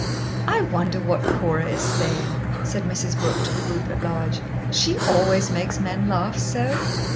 "I wonder what Cora is saying," said Mrs. Brooke to the group at large. "She always makes men laugh so."